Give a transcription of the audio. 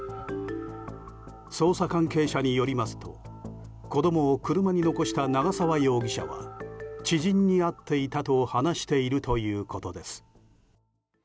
捜査関係者によりますと子供を車に残した長澤容疑者は知人に会っていたと話しているということです。